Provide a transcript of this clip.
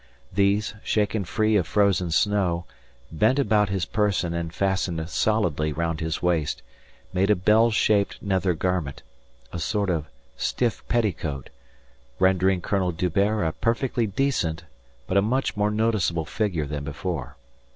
These, shaken free of frozen snow, bent about his person and fastened solidly round his waist, made a bell shaped nether garment, a sort of stiff petticoat, rendering Colonel D'Hubert a perfectly decent but a much more noticeable figure than before.